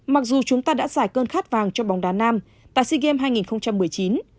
mặc dù chúng ta đã giải cơn khát vàng cho bóng đá nam tại sea games hai nghìn một mươi chín